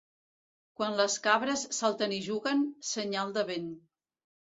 Quan les cabres salten i juguen, senyal de vent.